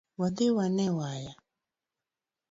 Wadhi wane waya